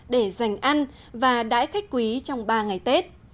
để dành ăn và đãi khách quý trong ba ngày tết